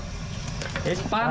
panas pak haji